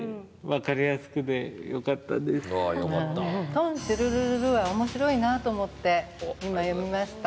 「トンシュルルルル」は面白いなと思って今読みました。